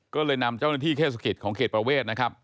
ก็เลยนำเจ้าหน้าที่เทศกิจของเขตประเวทนะครับ